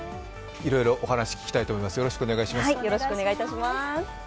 いろいろお話を聞きたいと思います。